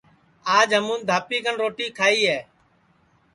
آج ہمون دھاپی کن روٹی کھائی ہے